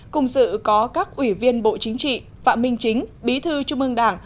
cùng dự có các ủy viên bộ chính trị phạm minh chính bí thư trung ương đảng